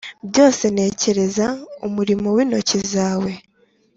Byose ntekereza umurimo wintoki zawe